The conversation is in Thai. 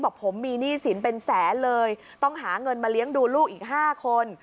บอกผมมีหนี้สินเป็นแสนเลยต้องหาเงินมาเลี้ยงดูลูกอีก๕คน